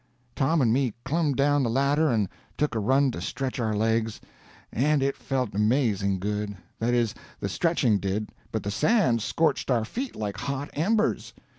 Tom and me clumb down the ladder and took a run to stretch our legs, and it felt amazing good—that is, the stretching did, but the sand scorched our feet like hot embers.